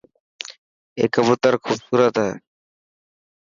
اي ڪبوتر خوبسورت هي.